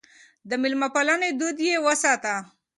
د مېلمه پالنې دود يې وساته.